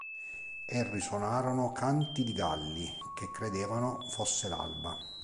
E risuonarono canti di galli che credevano fosse l'alba.